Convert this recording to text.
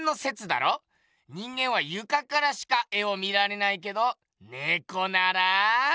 人間は床からしか絵を見られないけどねこなら。